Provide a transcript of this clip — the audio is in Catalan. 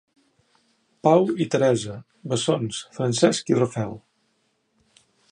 Pau i Teresa, bessons, Francesc i Rafael.